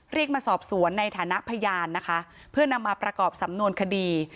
เรียกมาสอบสวนในฐานะพยานนะคะเพื่อนำมาประกอบสำนวนคดี